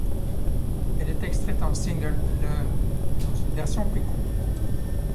Elle est extraite en single le dans une version plus courte.